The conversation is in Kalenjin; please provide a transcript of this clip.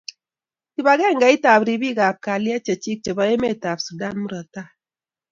kibagengeit ab ribik ab kaylet chechik chebo emet ab Sudan murotai